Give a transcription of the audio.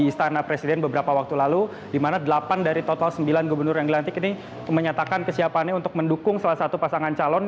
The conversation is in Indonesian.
di istana presiden beberapa waktu lalu di mana delapan dari total sembilan gubernur yang dilantik ini menyatakan kesiapannya untuk mendukung salah satu pasangan calon